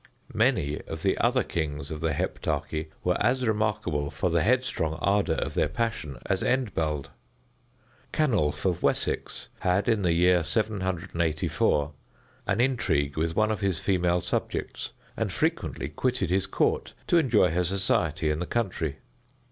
Many of the other kings of the Heptarchy were as remarkable for the headstrong ardor of their passion as Endbald. Canulph of Wessex had, in the year 784, an intrigue with one of his female subjects, and frequently quitted his court to enjoy her society in the country.